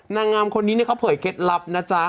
นางงามคนนี้เขาเผยเคล็ดลับนะจ๊ะ